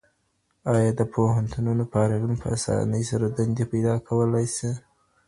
آیا د پوهنتونونو فارغین په اسانۍ سره دندې پیدا کولی سي؟